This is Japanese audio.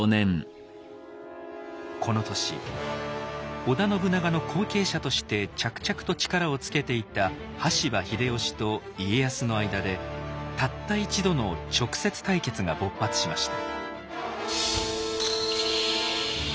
この年織田信長の後継者として着々と力をつけていた羽柴秀吉と家康の間でたった一度の直接対決が勃発しました。